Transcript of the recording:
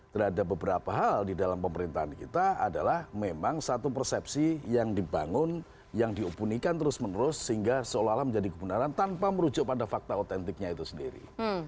terhadap beberapa hal di dalam pemerintahan kita adalah memang satu persepsi yang dibangun yang diupunikan terus menerus sehingga seolah olah menjadi kebenaran tanpa merujuk pada fakta otentiknya itu sendiri